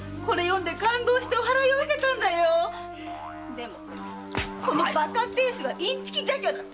でもこのバカ亭主はインチキ邪教だって！